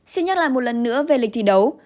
xin nhắc lại một lần nữa về lịch thi đấu